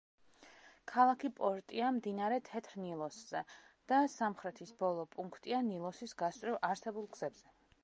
ქალაქი პორტია მდინარე თეთრ ნილოსზე და სამხრეთის ბოლო პუნქტია ნილოსის გასწვრივ არსებულ გზებზე.